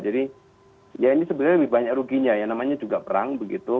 jadi ya ini sebenarnya lebih banyak ruginya ya namanya juga perang begitu